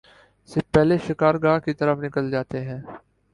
سے پہلے شکار گاہ کی طرف نکل جاتے ہیں